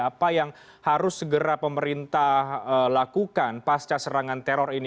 apa yang harus segera pemerintah lakukan pasca serangan teror ini